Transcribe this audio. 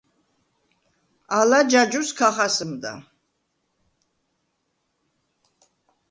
ალა ჯაჯუს ქა ხასჷმდა.